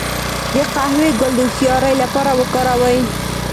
د قهوې ګل د هوښیارۍ لپاره وکاروئ